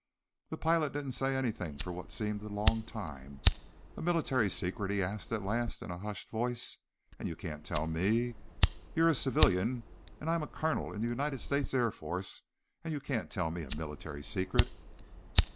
The pilot didn't say anything for what seemed a long time. "A military secret?" he asked at last, in a hushed voice. "And you can't tell me? You're a civilian, and I'm a colonel in the United States Air Force, and you can't tell me a military secret?"